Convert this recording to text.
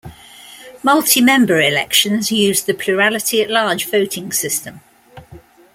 Multi-member elections used the plurality-at-large voting system.